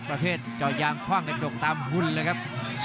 ประเภทเจาะยางคว่างกับตรงตามหุ้นนะครับ